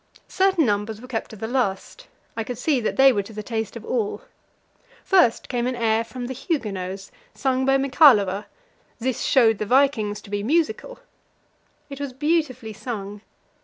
Certain numbers were kept to the last; I could see that they were to the taste of all. First came an air from "The Huguenots," sung by Michalowa; this showed the vikings to be musical. It was beautifully sung.